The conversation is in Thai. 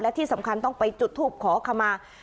และที่สำคัญต้องไปจุดทูปขอขมา